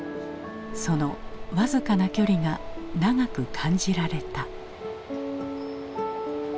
その僅かな距離が長く感じられた。